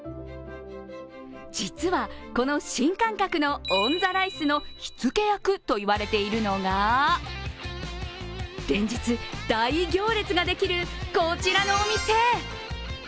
実は、この新感覚のオン・ザ・ライスの火付け役と言われているのが連日、大行列ができるこちらのお店。